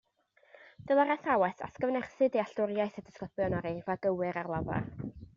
Dylai'r athrawes atgyfnerthu dealltwriaeth y disgyblion o'r eirfa gywir ar lafar